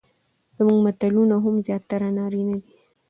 زموږ متلونه هم زياتره نارينه دي،